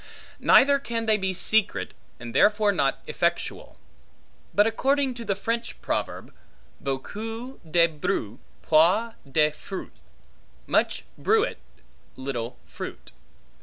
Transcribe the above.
Neither can they be secret, and therefore not effectual; but according to the French proverb, Beaucoup de bruit, peu de fruit; Much bruit little fruit.